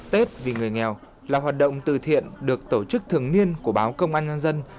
tết vì người nghèo là hoạt động từ thiện được tổ chức thường niên của báo công an nhân dân